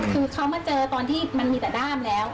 คือเขามาเจอตอนที่มันมีแต่ด้ามแล้ว